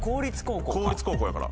公立高校やから。